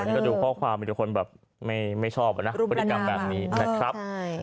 นี่ก็ดูข้อความมีทุกคนแบบไม่ชอบอะนะพฤติกรรมแบบนี้นะครับ